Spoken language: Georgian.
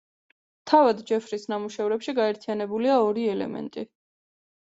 თავად ჯეფრის ნამუშევრებში გაერთიანებულია ორი ელემენტი.